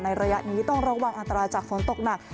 ระยะนี้ต้องระวังอันตรายจากฝนตกหนัก